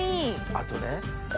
あとね。